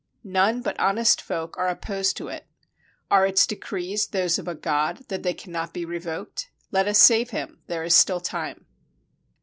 None but honest folk are opposed to it. Are its decrees those of a God, that they cannot be revoked? Let us save him — there is still time."